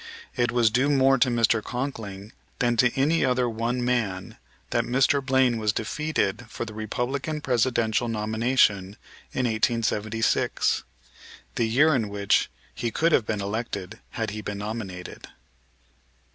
It was due more to Mr. Conkling than to any other one man that Mr. Blaine was defeated for the Republican Presidential nomination in 1876, the year in which he could have been elected had he been nominated.